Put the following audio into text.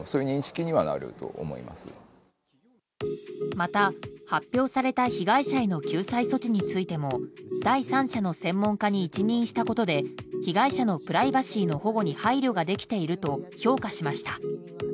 また、発表された被害者への救済措置についても第三者の専門家に一任したことで被害者のプライバシーの保護に配慮ができていると評価しました。